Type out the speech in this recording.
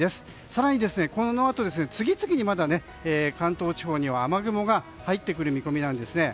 更にこのあと次々に関東地方には雨雲が入ってくる見込みなんです。